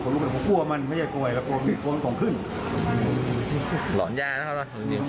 คือเหตุกร้านหนึ่งยา